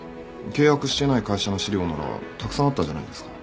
契約していない会社の資料ならたくさんあったじゃないですか